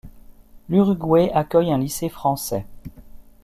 L'Uruguay accueille un lycée français.